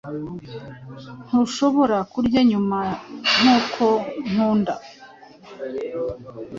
Ntushobora kurya Nyuma nkuko nkunda